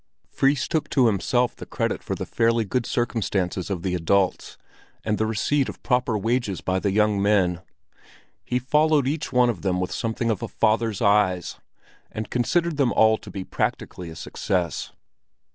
Fris took to himself the credit for the fairly good circumstances of the adults, and the receipt of proper wages by the young men. He followed each one of them with something of a father's eyes, and considered them all to be practically a success.